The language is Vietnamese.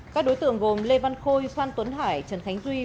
các đối tượng gồm lê văn khôi phan tuấn hải trần khánh duy